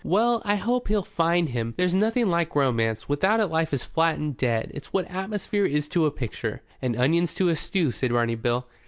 Well, I hope he'll find him. There's nothing like romance. Without it life is flat and dead. It's what atmosphere is to a picture." "And onions to a stew," said Barney Bill.